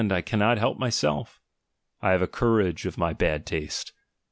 I can not help myself" *— I have the courage of my bad taste.